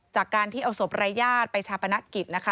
จากการที่เอาศพรายญาติไปชาปนกิจนะคะ